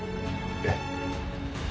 えっ？